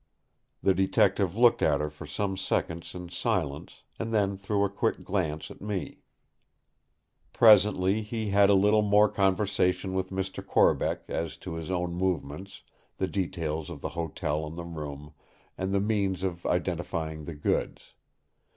The Detective looked at her for some seconds in silence, and then threw a quick glance at me. Presently he had a little more conversation with Mr. Corbeck as to his own movements, the details of the hotel and the room, and the means of identifying the goods.